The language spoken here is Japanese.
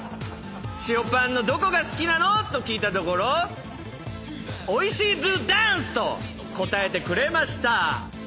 塩パンのどこが好きなの？と聞いたところ「おいしいＤＯＤＡＮＣＥ！」と答えてくれました。